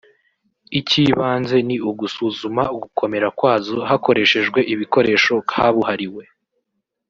icy’ibanze ni ugusuzuma ugukomera kwazo hakoreshejwe ibikoresho kabuhariwe